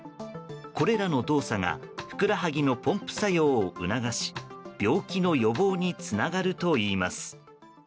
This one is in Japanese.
これらの動作がふくらはぎのポンプ作用を促し病気の予防につながるといいます。